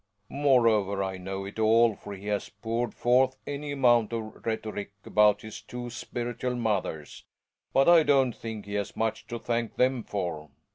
.Morever, I know it all, for he has poured forth .any amount of rhetoric about his "two spiritual mothers." But I don't think he has much to thank them for.